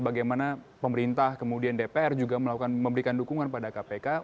bagaimana pemerintah kemudian dpr juga memberikan dukungan pada kpk